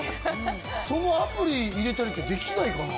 そのアプリ入れたりってできないかな？